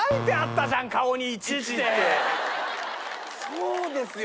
そうですよ！